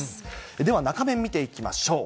では中面、見ていきましょう。